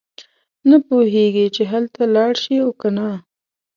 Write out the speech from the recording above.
نه پوهېږي چې هلته لاړ شي او کنه.